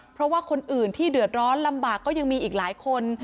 เพราะว่าคนอื่นที่เดือดร้อนลำบากก็ยังมีอีกหลายคน